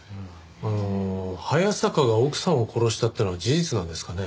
あの早坂が奥さんを殺したっていうのは事実なんですかね？